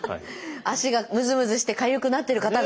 足がムズムズしてかゆくなってる方が。